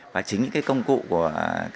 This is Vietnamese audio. và chính những công cụ của